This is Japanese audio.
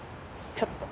ちょっと。